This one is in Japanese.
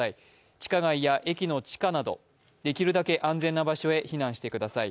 地下街や駅の地下などできるだけ安全な場所へ避難してください。